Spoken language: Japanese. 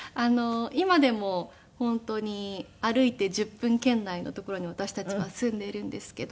今でも本当に歩いて１０分圏内の所に私たちは住んでいるんですけど。